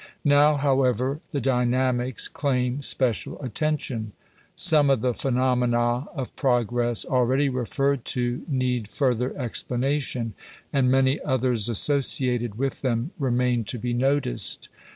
Now, however, the dynamics claim special attention. Some of the phenomena of progress already referred to need further explanation, and many others associated with them remain to be noticed.